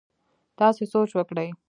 تاسي سوچ وکړئ!